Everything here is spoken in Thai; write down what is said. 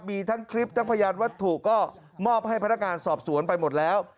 มีทั้งคลิปทั้งพยานวัตถุก็มอบให้พนักงานสอบสวนไปหมดแล้ว